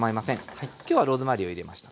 今日はローズマリーを入れました。